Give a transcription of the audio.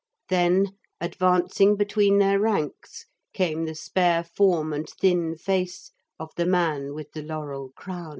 Then, advancing between their ranks, came the spare form and thin face of the man with the laurel crown.